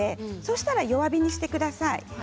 したら弱火にしてください。